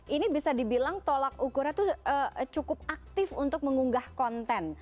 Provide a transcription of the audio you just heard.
ini bisa dibilang tolak ukurnya itu cukup aktif untuk mengunggah konten